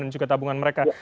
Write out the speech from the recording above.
dan juga tabungan mereka